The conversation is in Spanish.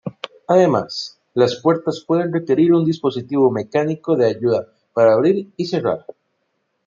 Además, las puertas pueden requerir un dispositivo mecánico de ayuda para abrir y cerrar.